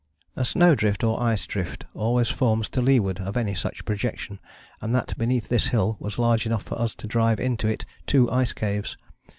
A snow drift or ice drift always forms to leeward of any such projection, and that beneath this hill was large enough for us to drive into it two ice caves.